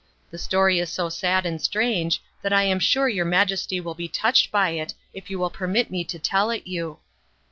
The story is so sad and strange that I am sure your Majesty will be touched by it if you will permit me to tell it you."